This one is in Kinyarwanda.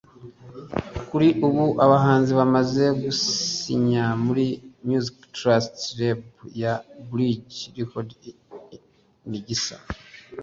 Kuri ubu abahanzi bamaze gusinya muri “Music Trust Label” ya Bridge Records ni Gisa